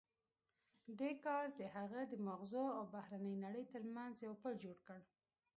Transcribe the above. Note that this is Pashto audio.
دې کار د هغه د ماغزو او بهرنۍ نړۍ ترمنځ یو پُل جوړ کړ